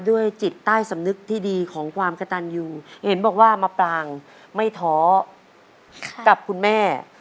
ด้วยจิตใต้สำนึกที่ดีของความกระตันอยู่เห็นบอกว่ามะปรางไม่ท้อกับคุณแม่